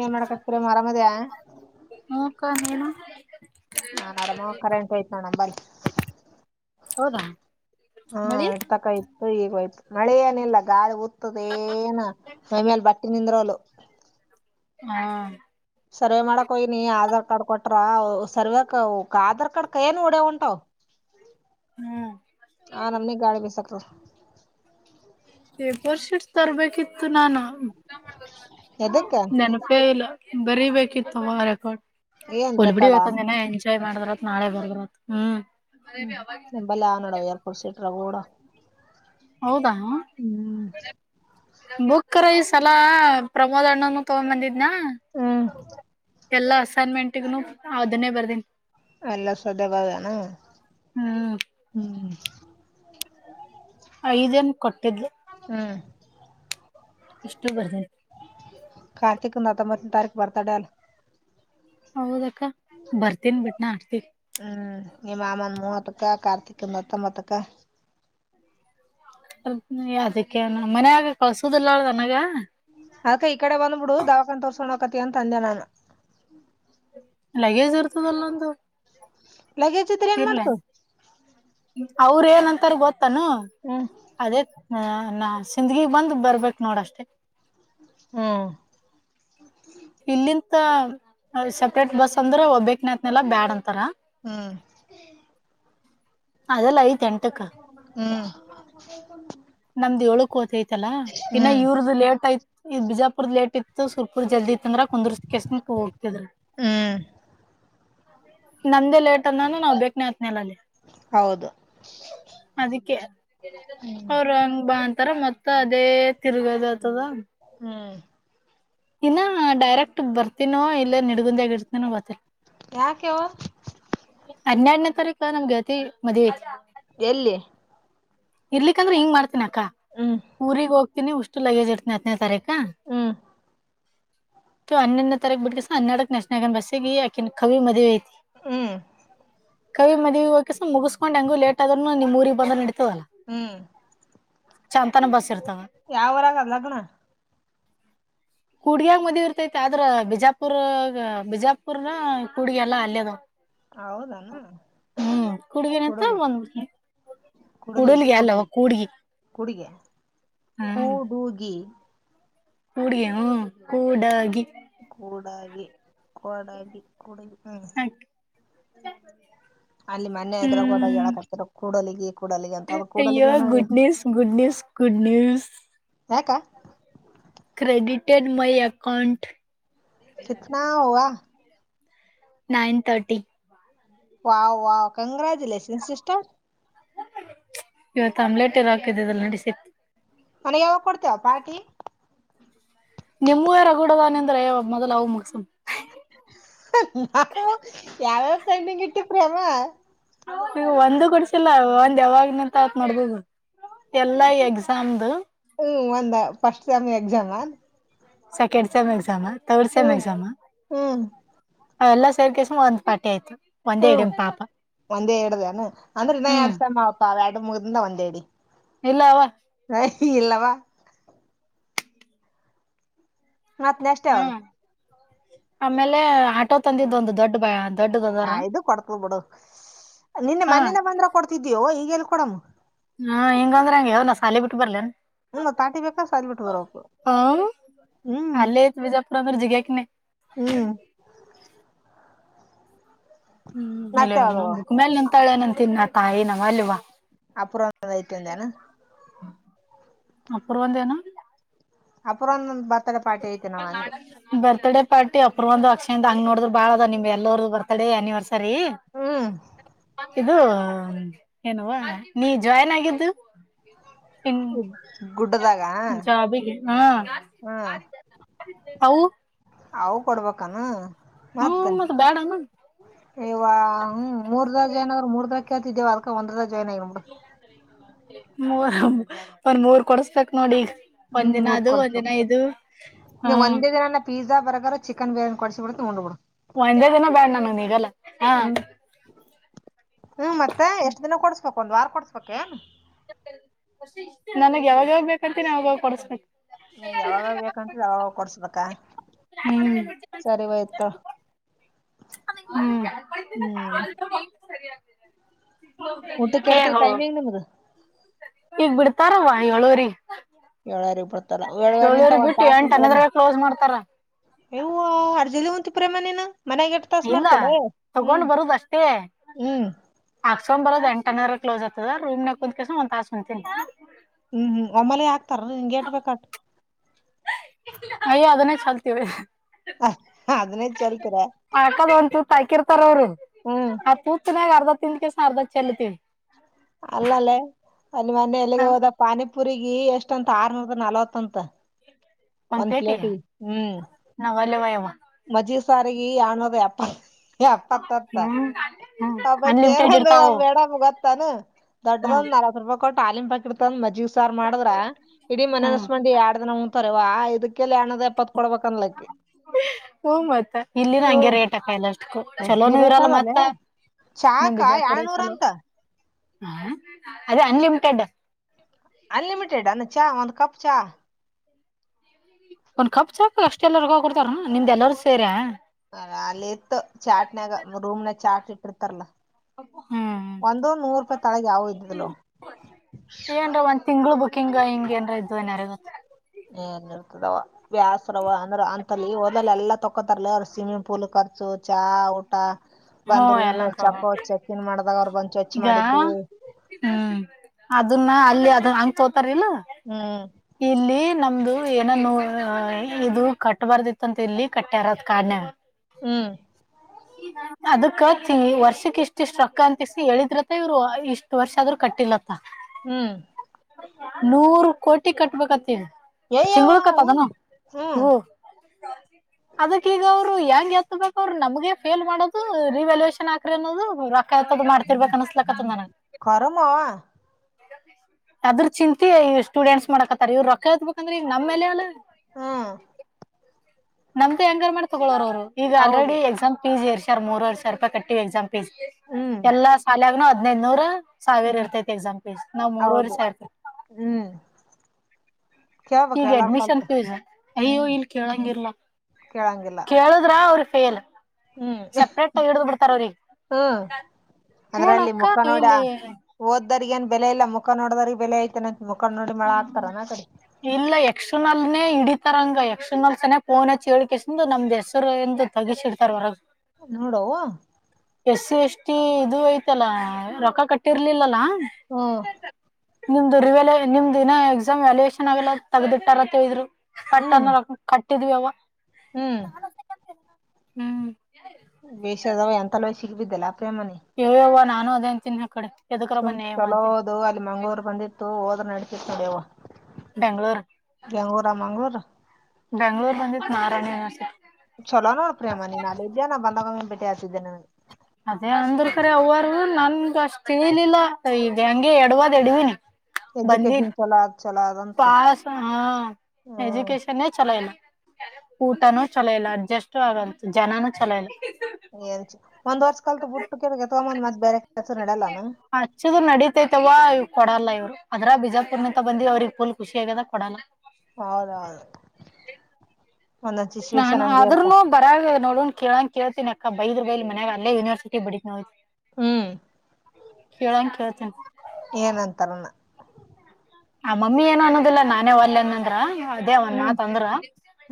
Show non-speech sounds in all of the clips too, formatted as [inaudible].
ಏನ್ ಮಾಡಕತ್ತರಿ ಆರಮದಿ ಎನು ನಾನ್ು ಆರಾಮ ಕರೆಂಟ್ ಹೋಯ್ತಾ ನಂಬಲ್ಲಿ ಹೌದಾ ಹಾ ಮಳಿ ಇಡ್ತಕ ಇತ್ತು ಈಗೋಯ್ತು ಮಳೆ ಏನಿಲ್ಲ ಗಾಳಿ ಹೊದ್ತೆದೆ ಮೇಲ್ ಬಟ್ಟೆ ನಿಂದ್ರೋಳ ಹಾ ಸರ್ವೇ ಮಾಡಾಕ್ ಹೋಯಿನಿ ನೀ ಆಧಾರ್ ಕಾರ್ಡ್ ಕೊಟ್ರ ಸರ್ವಕ್ ಆಧಾರ್ ಕಾರ್ಡ್ ಕ ಏನ್ ಹೊಡವ ಉಂಟಾವ ಹ್ಮ್ ಆ ನಮನೆ ಗಾಳಿ ಬಿಸಕಟ ಎಫೋರ್ಶೀಟ್ ತರ್ಬೇಕಿತ್ತು ನಾನು ಎದಕ್ಕ ನೆನಪೇ ಇಲ್ಲ ಬರಿೀಬೇಕಿತ್ತವ ರೆಕಾರ್ಡ್ ಏನ್ ಹೊುಲ್ಬಿಡಿ ರೆಕಾರ್ಡ ಈವತ್ ಒಂದ್ ದಿನ ಎಂಜಾಯ್ ಮಾಡಿದರತ್ ನಾಳೆ ಬರ್ರತ್ ಹ್ಮ್ ಹ್ಮ್ ತುಂಬಲ್ಲಾ ನೋಡವ ಯಾರ್ಪೂರ್ಸೆಟ್ರ ೋಡ ಹೌದಾ ಬುಕ್ ಅರಾ ಐಸ್ ಸಲಾ ಪ್ರಮೋದ್ ಅಣ್ಣನು ತಗೊಂಡ್ ಬಂದಿದ್ನಾ ಹಾ ಎಲ್ಲಾ ಅಸೈನ್ಮೆಂಟ್ಗನು ಅದನ್ನೇ ಬರ್ದೀನಿ ಎಲ್ಲ ಸದವಾದಾನ ಹ್ಮ್ ಹ್ಮ ಐದನ್ ಕೊಟ್ಟಿದ್ದೆ ಹ್ಮ್ ಎಷ್ಟು ಬರ್ದ ಕಾರ್ತಿಕ್ ನತ್ತೊಂಬತ್ತ ತಾರೀಕು ಬರ್ತಾಡಲ್ಲ ಹೌದಕ್ಕ ಬರ್ತನ್ ಬಿಟ್ಟನ ಆಡ್ತಿ ಹಗೆ ಮಾಮನ್ ಮೂವತ್ತಕ್ಕ ಕಾರ್ತಿಕ್ ಮೂತ್ತಂಬತ್ತಕ್ಕ ಅ ಅದಕ್ಕೆ ಮನ್ಯಾಗ ಕಳ್ಸುದಿಲ್ಲ ಅ ನನಗ ಆಕ ಇಕಡೆ ಬಂದಬುಡು ದವಾಖನ್ ತೋರ್ಸೋಣ ಕತಿ ಅಂತ ಅಂದೆ ನಾನ ಲಗೇಜ್ ಇರ್ತದಲ್ಲೊಂದು ಲಗೇಜ್ ಇದ್ರ ಏನ್ ಮಾಡ್ತು ಅವ್ರ ಏನ್ ಅಂತಾರ ಗೊತ್ತಾನ ಹ್ಮ್ ಅದೇ ಹ ನಾ ಸಿಂದಗಿಗ್ ಬಂದ ಬರ್ಬೇಕಕ್ ನೋಡ ಅಷ್ಟೇ ಹ್ಮ್ ಇಲ್ಲಿಂತ ಸಪ್ರೇಟ್ ಬಸ್ ಅಂದ್ರೆ ಒಬ್ಬಕ್ನತ್ನೆಲ್ಲಾ ಬ್ಯಾಡ್ ಅಂತಾರ ಹ್ಮ್ ಅದೆಲ್ಲ ಐತೆ ಹಾ ನಮ್ದ್ ಏಳು ಕೋತ ಐತಲ್ಲ ಇನ್ನ ಇವದ ಲೇಟ್ ಆಯತ್ ಇ ಬಿಜಾಪುರ್ದ ಲೇಟ್ ಇತ್ತು ಸುರ್ಪುರ್ ಜಲ್ದಿ ಚಂದ್ರ ಕುಂದರ್ಸ ಕೆಸ ಹೋಗ್ತಿದ್ರ ಹ್ಮ್ ನಂದೇ ಲೇಟ್ ತನ್ನಾನು ನಾವ್ ಬಕ್ ನವತ್ನೇಲಲ್ಲಿ ಹೌದು ಅದಕ್ಕೆ ಅವರು ಹಂಗ್ ಬಾ ಅಂತಾರ ಮತ್ತತ್ ಅದೇ ತಿರುಗೋದ ಹ್ಮ್ ಇನ್ನ ಡೈರೆಕ್ಟ್ ಬರ್ತೀನ ಇಲ್ಲ ನಿಡಗುಂದ ಆಗ ಗತಿ ಯಾಕೆವ ಹನ್ನೆರಡನೇ ತಾರೀಕು ಕ ನಮಗೆತಿ ಮದ ಎಲ್ಲಿ ಇರ್ಲಿಕ್ಕ ಅಂದ್ರೆ ಹಿಂಗ ಮಾಡ್ತಿನಿ ಅಕ್ಕ ಹ್ಮ್ ಊರಿಗೆಗ್ ಹೋಗತನಿ ಉಷ್ಟು ಲ ಏಜ್ ಇಡ್ತೀನಿ ಹತ್ತನೇ ತಾರೀಕು ಹಾ ಹ್ಮ್ ಸೊ ಹನ್ನೊನ ತಾರೀಕ್ ಬಿಟ್ಟಗಸ ಹನ್ನಡಕ್ ನಾಶನ ಆಗ ಬಸ್ಸಗ ಯಕನ್ ಕವಿ ಮದಿ ಯಐತಿ ಹ್ಮ್ ಕವಿ ಮದಿ ಹೋಗಕಸ ಮುಗಸ್ಕೊಂಡ್ ಹೆಂಗ ಲೇಟ್ ಆದದನು ನಿಮ್ಮ ಊರಿಗೆ ಬಂದ ಇಡ್ತದಲ್ಲಾ ಹ್ಮ್ ಚಂತನ ಬಸ ಯಾವರಾಗ ಲಗ್ನ ಕೂಡ್ಗಿಯಾಗ ಮದ್ವಿ ಇರ್ತೈತಿ ಆದ್ರ ಬಿಜಾಪುರ್ ಬಿಜಾಪುರ್ನ ಕೂಡ್ಗ ಎಲ್ಲಾ ಅಲ್ಲಯದ ಹೌದಾನ ಕೂಡ್ಗಿನಂತ ಕುಡಲಿ ಒಂದ್ ಕುೂಡಲಿ ಕೂಡಲ್ಗಿ ಅಲ್ಲವ ಕೂಡಲಿ ಕೂಡ್ಗಿ ಕುಡಿಗೆ ಕೂಡುಗಿ ಹೂಡ್ಗ ಹ ಕುಡಾಗಿ ಕೂಡಾಲಿ ಕಡಾಲಿ ಕೂಡ ಹ್ಮ ಅ ಅಲ್ಲಿ ಮನೆ ಅದ್ರಾಗ ಹೊರ ಎಕ್ತರ ಕೂಡೋಲಿಗೆ ಅಯ್ಯೋ good news good news good news ಯಕ ಕ್ರೆಡಿಟೆಡ್ ಮೈ ಅಕಾೌಂಟ್ ಕತನಾ ಹ ನೈನ್ ತರ್ಟಿ ವಹ್ ವಹ್ ಕಂಗ್ರಾಜುಲಷನ್ ಸಿಸರ್ ಇವತ್ತು ಆಮ್ಲೆಟ್ ಇರ್ ಹಾಕ್ದೆಲ್ಲ ನಡಸತಿ ಅಣ್ಣ ಯಾವಾಗ ಕೊಡ್ತೇವ ಪಾರ್ಟಿ ನಿಮ್ಮೂ ರಗೂಡದಾನೆ ಅಂದ್ರೆ ಮೊದಲ ಅವು ಮುಗಸ ನಾವು [unintelligible] ಈಗ ಒಂದು ಕೊಡ್ಸಿಲ್ಲ ಒಂದ್ ಯಾವಾಗನಂತ ಆತ್ ಮಾಡ್ದುದು ಎಲ್ಲಾ ಎಕ್ಸಾಮ್ದ ಹ್ಮ್ ಫಸ್ಟ್ ಎಕ್ಸಾಮ್ ಅ second sem exam third sem exam ಹ್ಮ್ ಸರ್ ಕೆಸ್ ಒ ಪಾ ಆಯತು ಹ್ಮ್ ಒಂದೇ ಹೇಳಡ್ದಾನ ಅಂದ್ರೆ ನ ಹ್ಮ್ ಎಡ್ಸಮ್ಮ ಅಪ್ಪ್ಯಾಡು ಮುಗ್ದಿಂದ ಒಂದೇ ಹೇಳಡಿ ಎಲ್ಲವಾ ಹ ಇಲ್ಲವಾ ಮತ್ ನ ಅಷ್ಟ ಯಾವದು ಹ್ಮ್ ಆಮೇಲೆ ಆಟೋ ತಂದಿದ್ದ ಒಂದು ದೊಡ್ಡ ಬ ಅ ಹ ಇದು ಕೊಡ್ತ ಬಿಡು ನಿನ್ನೆ ಹಾ ಮನೆನ ಬಂದ್ರ ಕೊಡ್ತಿದ್ಯೋ ಈಗಲ್ ಕೊಡಮ್ಮ ಹಾ ಹಿಂಗಂದ್ರ ಹಂಗಗೆ ಯವ್ನ ಸಾಲಿ ಬಿಟ್ಟ ಬರ್ಲನ್ ಹ್ಮ್ ಪಾರ್ಟಿ ಬೇಕಾ ಸಲ್ ಬಿಟ್ಟು ಬರೋಕು ಹ ಹ್ಮ್ ಅಲ್ಲ ತಿಪರಫರ ಜಗ ಹ್ಮ್ ಹ್ಮ್ ಮತ್ತೆ ಇಲ್ಲವ ಯಾವ್ದು ನ ಬುಕ್ ಮೇಲೆ ನಂತಳನ ಅಂತನ್ ತಾಯಿ ನವ ಅಲ್ವಾ ಅಪ ಅತಂದಣ ಅಪರ್ವಂತ ಏನ ಅಪರ ಬ ಬರ್ಥಡೇ ಪಾರ್ಟಿ ಪ ಒಂದು ಅಕ್ಷಯಿಂದ ಹಂಗ್ ನೋಡಿದ್ರ ಬಾಳ ಅದ ನಿಮ್ಗೆ ಎಲ್ಲರ ಬರ್ತಡೇ ಅನಿವರ್ಸರಿ ಹ್ಮ್ ಇದು ಏನುವಾ ನೀ ಜಾಯಿನ್ ಆಗಿದ್ದು ಗುಡ್ಡದಾಗ ಹ ಜಾಬ ಹ ಹ್ಮ್ ಹೌ ಅವು ಕೊಡ್ಬೇಕಾನ ಮತ್ತೆ ಮತ್ತ ಬ್ಯಾಡನ ಇವ ಹ್ಮ ಮೂರ್ ದಜೆ ಏನ್ರ ಮೂರ್ ದ ಕತಿದ್ದೇವ ಅಲ್ಕ ಒಂದ್ರ ಜಾಯ್ನ್ ಆಗಿ ನ್ದು ಮೂರ್ ಒಂದ ಮೂರ್ ಕೊಡಸ್ಬೇಕ ನೋಡಿ ಒಂದ್ ದಿನ ರ್ ಅದು ಒಂದ್ ದಿನ ಕೊಡ್ಸಕ ಇದು ನೀವು ಹ್ಮ್ ಒಂದೇ ದಿನ ಪೀ ಬೀಜ ಬರಗಾರು ಚಿಕನ್ ಬಿರಿಯಾನಿ ಕೊಡಿಸ್ಬಿಡ್ತೀನಿ ಉಂ ಬೋಡು ಒಂದೇ ದಿನ ಬ್ಯಾಡ ನಾನುನ್ ಈಗಲ್ಲ ಹಾ ಹ್ಮ ಮತ್ತೆ ಎಷ್ಟ್ ದಿನ ಕೊಡ್ಸ್ಬೇಕಕ್ ಒಂದ್ ವಾರ ಕೊಡ್ಸ್ಬೇಕೇ ನನಗ್ ಯಾವಾಗಾಗ್ ಬೇಕಂತೀನಿ ಯಾವಾಗ ಕೊಡಸ್ಕು ನಿಮ್ಗೆ ಯಾವಾಗ ಬೇಕಂತ್ರೆ ಯಾವಾಗ ಕೊಡ್ಸ್ಬೇಕಾ ಹ್ಮ್ ಸರಿ ಹೋಯ್ತು [unintelligible] ಹ್ಮ್ ಊಟಕ್ಕೆ ಇಡ್ತೀವಿ ಟೈಮಿಂಗ್ ನಿಮ್ದು ಈಗ್ ಬಿಡ್ತಾರವಾ ಹೇಳಳೋರಿ ಏಳ್ವರಿ ಬಡ್ತಾರ ಏಳ್ವರಿ ನಿಂತ ಒಂದ್ ಬಿಟ್ಟು ತಾಸು ಎಂಟ ಉಂತರನು ಅನ್ನೋದ್ರಾಗ ಕ್ಲೋಸ್ ಮಾಡ್ತಾರ ವು ಹರ್ಜಲಿ ಹಂತ ಪ್ರಮಾಣ ನ ಇಲ್ಲ ತಗೊಂಡ್ ಬರದ ಅಷ್ಟೇ ಹ್ಮ್ ಹಾಕ್ಸ್ಕೊಂಡ್ ಬರದ ಎಂಟನರ್ ಕ್ಲೋಸ್ ಆಗ್ತದ ರೂ ಕುಂದ್ ಕೆಸ ಒಂದ್ ತಾಸಸ್ ಹೊಂತೀನಿ ಹ್ಮ್ ಹ್ಮ್ ಒಮ್ಮಲೆ ಹಾಕ್ತಾರ ನಿಗೆಟ್ ಬಟ್ ಅಯ್ಯ ಅದನ್ನೇ ಚಲ್ತೀವಿ ಹ ಅದನ್ನೇ ಚೆಲ್ತೀರ ಆಕದ ಒಂದ್ ತೂತ ಹಾಕಿರ್ತಾರ ಅವರು ಹ್ಮ್ ಆ ತೂತನ್ಯಾಗ ಅರ್ಧತ್ ತಿ ಕೆ ಸಾರ ಬ ಚಲತ ಅಲ್ಲಲ್ಲೇ ಅಲ್ಲಿ ಮೊನ ಎಲ್ಲಿಗೆ ಹೋದ ಪಾನಿ ಪುಗಿ ಎಷ್ಟಂತ ಆರ್ನೂರ ನಲ್ವತ್ಂತ ಒಂದ್ ಪ್ಲೇಟ್ಿ ಹ್ಮ್ ನಾವಲ್ಲವ ಯವ್ವ ಮಜ್ಜಿ ಸಾರಿಗೆ ಆಾಣೋದ ಎಪ್ಪತ್ತೊತ್ತ ಹ್ಮ್ ಹ್ಮ್ ಹಬ್ಬಕ್ ಅನ್ಲಿಮಿಟೆಡ್ ಏನಂದ್ರ ಇರ್ತಾವ ಮೇಡಮ್ ಗೊತ್ತ ಾನ ದೊಡ್ಡಂದ ಹ್ಮ್ ನಲ್ವ ರೂಪಾಯಿ ಕೊಟ್ಟಟಾಲಿಮ್ಾಕಿರ್ತಾನ ಮಜಿ ಸಾರ್ ಮಾಡಿದ್ರ ಇಡೀ ಮನೆ ಅನ್ಸ್ ಹ್ಮ್ ಮಾಡಂಡಿ ಎರಡ್ ದಿನ ಹ್ತಾರೆವಾ ಇದಕ್ಕೆಲ್ಲ ಹ್ಮ ಮತ್ತ ಇಲ್ಲಿನ ಹಂಗೆ ಹ್ಮ್. ರೇಟ್ಕ ಎಲ್ಲ ಜಗ್ಗಿ ಚಲೋನು ರೇಟ್ ಇರಲ್ಲ ಅದಲ್ಲೇ ಮತ್ತ ನ್ ಚಾಕ ಬಿಜಾಪುರ ಎರಡ್ನೂರ ಚಲೋ ಅಂತ ಹ ಅದು ಅನ್ಲಿಮಿಟೆಡ್ ಅನ್ಲಿಮಿಟೆಡ್ ಅಂದ ಚಾ ಒಂದು್ ಕಪ್ ಚಾ ಒಂದ್ ಕಪ್ ಸಾಕ ಅಷ್ಟ ಎಲ್ಲರಿಗೋಗ ಕೊಡ್ತಾರ ನಿಮ್ದ ಎಲ್ಲರೂ ಸೇರ ಅಲ್ಲಿ ಬಿಡ್ತರ್ಲ ಹ್ಮ್ ಒಂದ ನೂರು ರೂಪಾಯಿ ತಳಗ್ ಯಾವ ಇದ್ದದಲು ಏನ್ರ ಒಂದ್ ತಿಂಗ್ಳ ಬುಕಿಂಗ್ ಹಿಂಗ ಏನ್ರ ಇದ್ದ್ ಏನ್ಾರ ಗೊತ್ತ ಏನ್ ಇರ್ತದವ ವ್ಯಾಸ್ರವ ಅಂದ್ರ ಅಂತಲ್ಲಿ ಹಓದಲ್ಲ ಎಲ್ಲಾ ತೊಕೋತಾರಲ ಅವರು ಸ್ವಿಮ್ಮಿಂಗ್ ಪೂಲ್ ಸು ಚಾ ಊಟಾ ಹ್ಞೂ ಎಲ್ಲ ಬಂದ್ರುೂಮೆ ಚಕ ತಗೋ ಚೆಕನ್ ಮಾಡ್ದಾಗ ಅವ್ರು ಬಂದು ಚವಚ್ ಈಗ ಮಾಡಿದ್ದವಿ ಹ್ಮ್ ಅದನ್ನ ಅಲ್ಲಿ ಅದನ್ನ ಹಂಗ ತೋತಾರಲ್ಲ ಹ್ಮ್ ಇಲ್ಲಿ ನಮ್ದು ಏನನುೋ ಇದು ಕಟ್ಟಬಾರ್ದಿತ್ತಂತ ಇಲ್ಲಿ ಕಟ್ಟ್ಯಾರದ್ ಕಣ ಹ್ಮ್ ಅದ ಕತೀಿ ವರ್ಷಕ್ ಇಷ್ಟ ಇಷ್ಟು ರೊಕ್ಕ ಅಂತಿಸಿ ಹೇಳಿದ್ರತ್ತ ಇವ್ರು ಇಷ್ಟು ವರ್ಷ ಆದ್ೂ ಕಟ್ಟ ಕಾಟಿಲತಾ ಹ್ಮ್ ನೂರು ಕೋಟಿ ಕಟ್ಬೇಕತ್ತ ಏಯವ್ವ ತಿಂಳ ಕತ್ತದನ ಹ್ಮ್ ಹ್ಮ್ ಹ ಅದಕ್ಕ ಈಗ ಅವರು ಯ ಎತ್ತ ಬ ಅವ್ರ ನಮಗೆ ಫೇಲ್ ಮಾಡೋದು ರಿವ್ಯಾಲ್ಯಷನ್ ಆಾ್ರರಿ ಅನ್ನೋದು ಾಯ್ತದು ಮಾಡ್ತಿರ್ಬೇಕಕ್ ಅನ್ಸ್ಲಕ್ಕತ್ ನನಗ್ ಕರಮವ ಅದ್ರ ಚಿಂತೆ ಸ್ಟೂಡೆಂಟ್ಸ್ ಮಾಡಕತ್ತಾರೆ ಇವ್ ರೊಕ್ಕ ಹತ್ತಬೇಕಂದ್ರೆ ನಮ್ಮ ಮೇಲೆ ಅಲ್ಲ ಹ್ಮ್ ನಮ್ದು ಹೆಂಗಾರ ಮಾಡ್ ತಗೊವರ ಅವರು ಈಗ ಆಲ್ರೆಡಿ ಹೌದು ಎಕ್ಸಾಮ್ ಪಿ ಜಿ ಇರ್ಿ ಸರ್ ಮೂರ್ವರ್ ಸಾವರ ರೂಪಾಯಿ ಕಟ್ಟಿವ ಎಕ್ಸಾಮ್ ಫೀಸ್ ಹ್ಮ್ ಎಲ್ಲಾ ಸಾಲಾಗನು ಹದ್ೈದ್ನೂರ್ ಹ್ಮ್ ಸಾವಿರ ಇರ್ತೈತಿ ಎಕ್ಸಾಮ್ ಪೀಸ್ ನಾವ್ ಹೌದು ಮೂರ್ವರ್ಷ ಇರ್ತೆತಿ ಹ್ಮ್ ಕೇಳ್ಬೇಕ್ರಿ ಈಗ ಎಲ್ಲಾರ್ ಅಡ್ಮಿಷನ್ ಕಲ್ತ್ ಫೀಸ್ ಅಯ್ಯೋ ಹ್ಮ್ ಇಲ್ ಕೇಳಂಗಿರ್ಲಾ ಕೇಳಂಗಿಲ್ಲ ಕೇಳುದ್ರಾ ಅವ್ರ ಫೇನ್ ಹ್ಮ್ ಸಪ್ರೇಟ್ಗ ಹಿಡ್ದು ಬಿಡ್ತಾರ ಅವ್ರ ಹ್ಮ್ ಅಂದ್ರ ಅಲ್ಲಿ ಮುಖ ನೋಡ ಓದ್ದ್ರಗ ಏನ್ ಬೆಲೆ ಇಲ್ಲ ಮುಖ ನೋಡ್ದ್ರ ಬೆಲೆ ಐ್ತೆನಂತೆ ಹ ಇಲ್ಲ ಯಕ್ಷನ್ ಅಲ್ನೇ ಇಡ ಇತಾರಂಗ ಯಕ್ಷಣಲ್ ಸನನೆ ಪೋ ಚಿಳ್ ಕಸಂದು ನಮ್ದ್ ಹೆಸರು ಎಂದ ತಗಸಿ ಇಡ್ತಾರ್ ಹೊರಗ ನೋಡೋ ಹಸಿ ಎಷ್ಟಿ ಇದು ಐತಲ್ಲ ರೊಕ್ಕ ಕಟ್ಟಿರ್ಲಿಲ್ಲಲಾ ಹ್ಮ ನಿಮ್ದು ರಿವಲ್ಯ ನಿಮ್ದುಿನ ಎಕ್ಸಾಮ್ ವ್ಯಾಲ್ಯೇಷನ್ ಆಗೆಲ್ಲ ತಗದಿಟ್ಟಾರಂತ ಹೇಳಿದ್ರು ಹ್ಮ್ ಪಟ್ಟನ್ನು ರ ಕಟ್ಟಿದವಿವಾ ಹ್ಮ್ ಹ್ಮ್ ಬೇಷ ಅದಾವ ಎಂತಲ್ಲ ಸಿಗ್ಬಿದ್ದಲ್ಲ ಪ್ರೇಮನಿ ಎ ಯ್ಯವ್ ನಾನು ಅದೇ ಅಂತಿನಲ್ಲ ಸುಮ್ ಚಲೋದು ಅಲ್ಲಿ ಮಂಗಳೂರ್ ಬಂದಿತ್ತು ಹೋದ್ರ ನಡತಿತ್ತು ನೋಡ್ಯವ್ವ ಬೆಂಗ್ಳೂರ್ ಬೆಂಗ್ಳೂರ ಹಾ ಮಂಗಳೂರ ಬೆಂಗ್ಳೂರ್ ಬಂದಿತ್ ನಾರಾಯಣಿಸ ಚಲೋ ನೋಡ್ ಪ್ರೇಮ ನೀನ್ ಅಲ್ಲಿ ಇದ್ಯಾ ನಾ ಬಂದಗಮ್ಮಿ ಬೆಟ್ಟಿತ್ತಿದ್ದ ನಿನಗ ಅದೇ ಅಂದ್ರ ಕರೆ ಅವ್ವರು ನನ್ ಅಷ್ಟ ತಿಳಲಿಲ್ಲ ಹೆಂಗೆ ಎಡವದ್ ಎಡವಿನಿ ಎಜುಕೆಷನ್ ಚಲೊ ತ್ ಪಸ್ಸಾ ಹಾ ಹ್ಮ್ ಎಜುಕೇಶನ್ ಚಲೋ ಇಲ್ಲ. ಊಟನೂ ಚಲೋ ಇಲ್ಲ ಅಡ್ಜಸ್ಟ್ ಆಗಲ್ ಜನಾನೂ ಚಲೋ ಇಲ್ಲ. ಏನ್ಚು ಒಂದ್ ವರ್ಷ ಕಲ್ತು ಬಿಟ್ಟು ಕೆರೆ ಕಿತ್ತೊಗೊಂದ್ ಮತ್ತ್ ಬೇರೆ ಕೆಲ್ಸ ನಡಲ್ಲಾನ ಹಚ್ಚಿದ್ ನಡತೈತವಾ ಇವ ಕೊಡಲ್ಲ. ಅದ್ರ ಬಿಜಾಪುರ್ನಂತ ಬಂದಿವಿ ಅವ್ರಿಗೆ ಫುಲ್ ಖುಷಿ ಆಗದ ಕೊಡೋಲ್ಲ. ಹೌದಾ ನಾನ್ ಆದ್ರನು ಬರಗ ನೋಡು ಕೇಳಂಕ್ ಕೇಳತಿನ ಅಕ್ಕ ಬೈದ್ರ ಬೈಲಿ ಮನೆಗೆ ಅಲ್ಲೆ ಯೂನಿವರ್ಸಿಟಿಗ ಬಡಿತೀನಿ ನೋಗಿ. ಹ್ಮ್ ಕೇಳಂ ಕೇಳ್ ಏನಂತಾನಮ್ಮ ಆ ಮಮ್ಮಿ ಏನು ಅನ್ನೋದಿಲ್ಲಾ ನಾನೇ ಒಲ್ಲನಂದ್ರ ಅದೇ ವಂದ ಹ್ಮ್ ಮಾತ್ ಅಂದ್ರ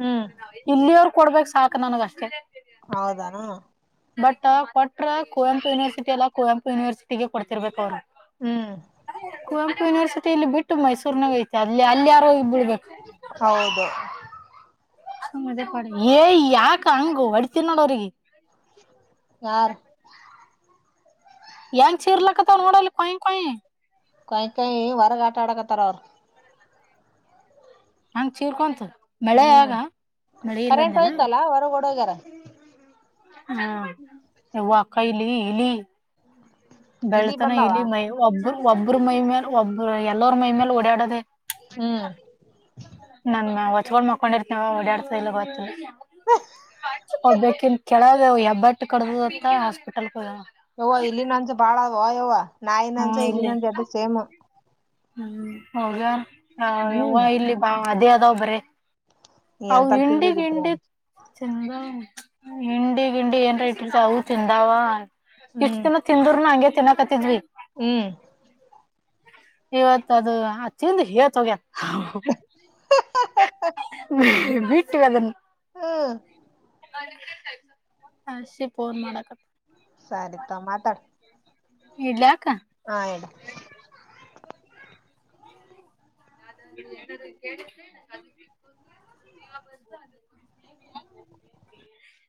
ಹ್ಮ್ ಇಲ್ಲಿಯರು ಕೊಡ್ಬೇಕ್ ಸಾಕ ನನಗ ಅಷ್ಟೇ. ಹೌದಾನ ಬಟ್ ಕೊಟ್ರ ಕುವೆಂಪು ಯುನಿವರ್ಸಿಟ ಎಲ್ಲ ಕುವೆಂಪು ಯೂನಿವರ್ಸಟಿ ಟ್ಟಿಗೆ ಕೊಡ್ತಿರ್ಬೇಕ ಅವ್ರು ಹ್ಮ್ ಕುವೆಂಪು ಯನಿವರ್ಸಿಟಿಲ್ಲಿ ಬಿಟ್ ಮೈಸೂರ್ನಾಗ ಐತೆ ಅಲ್ಲಿ ಅಲ್ಲಿ ಯಾರೋಗಿ ಬಿಳಬೇಕು ಹೌದು ಏ ಯಾಕ ಹಂಗ ಹೊಡ್ತೀನ್ ನೊಡವರಿಗೆ ಯಾರು ಹೆಂಗ ಚೀರ್ಲಕ್ಕತ್ತವ ನೋಡಲ್ಲಿ ಕೊಯ್ಯ ಕೊಯ್ಯ ಕಾಯ್ಕಾಯಿ ವರಗ ಆಟ ಅಡಕ್ಕತರ ಅವರು ಹಂಗ ಚೀರ್ಕೊಂತ ಮಳೆ ಹ್ಮ್ ಆಗ ಮಳೆ ಕರೆಂಟ್ ಇಲ್ಲಂದಲ್ಲ ಹೋಯ್ತಲ್ಲ ಹೊರಗ್ ಓಡೋಗ್ಯಾರ ಹ್ಮ ಯವ್ವ ಕೈಲಿ ಇಲಿ ಬೆಳತನ ಇಲಿ ಮೈ ಒಬ್ಬರು ಒಬ್ಬರು ಮೈ ಮೇಲ್ ಒಬ್ಬರು ಎಲ್ಲರ ಮೈ ಮೇಲೆ ಓಡಾಡೋದೆ ಹ್ಮ್ ನನ್ ಹೊಚ್ಕೊಂಡ ಮಕೊಂಡಿರ್ತೇವ ಓಡಾಡ್ತ ಇಲ್ಲ ಗೊತ್ತಿಲ್ಲ. ಒಬ್ಬಕಿನ ಕೆೇಳಗ ಎಬ್ಬಟ್ಟ ಕಡ್ದದತ್ತ ಹಾಸ್ಪಿಟಲ್ ಹೋಗ್ಯಾವ ಯವ್ವ ಇಲ್ಲಿನಂಜ ಬಾಳದ ವಯವ್ವ ನಾಯಿನಂಜ ಇಲ್ಲಿನಂಜ ಎಡ್ಡು ಸೇಮ್ ಹೋಗರ ಯವ್ವ ಹ್ಮ್ ಇಲ್ಲಿ ಬಾ ಅದೇ ಅದಾವ ಬರೆ ಅವು ಎಂತಲ್ ಹಿಂಡಿ ಸಿಗ್ಬೇಕಿತ್ರಿ ಇಂಡಿ ಚಂದ ಹಿಂಡಿ ಗಿಂಡಿ ಏನ್ ಇಟ್ರ್ತ ಅವು ತಿಂದಾವ ಇಷ್ಟ್ ಹ್ಮ್ ದಿನ ತಿಂದರು ನ ಹಂಗೇ ತಿನ್ನಕತ್ತಿದ್ವಿ ಹ್ಮ್ ಇವತ್ ಅದು ಅ ತಿಂದು ಹೆತ್ ಹೋಗ್ಯಾರ [unintelligible] ಹ ಬಿಟ್ಟಿವಿ ಅದನ್ನ ಹ್ಮ್ ಹಾಸಿ ಫೋನ್ ಮಾಡಕತ್ತ ಸರಿ ತೊ ಮಾತಾಡ್ ಇಡ್ಲಾಕ್ಕ ಆಯಿಡು ಅ ಏನಾರ ಕೇಳಿದ್ರ [unintelligible] [unintelligible]